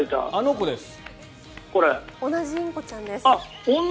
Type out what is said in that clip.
同じインコちゃんです。